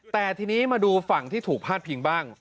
แต่ทีนี้มาดูฝั่งที่ถูกพาดพิงบ้าง